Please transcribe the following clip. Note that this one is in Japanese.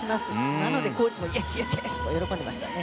なのでコーチもイエス、イエス！と喜んでいましたね。